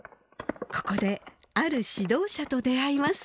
ここである指導者と出会います。